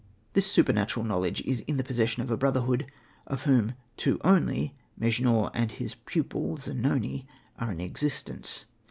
This supernatural knowledge is in possession of a brotherhood of whom two only, Mejnour and his pupil Zanoni, are in existence.